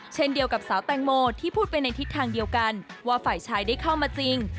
เช่นเดียวกับสาวแตงโมที่พูดไปในทิศทางเดียวกันว่าฝ่ายชายได้เข้ามาจริง